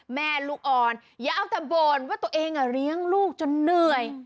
แม่ลูกอ่อนอย่าเอาแต่บ่นว่าตัวเองเลี้ยงลูกจนเหนื่อย